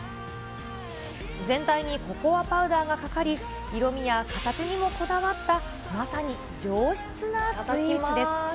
全体にココアパウダーがかかり、色味や形にもこだわった、まさに上質なスイーツです。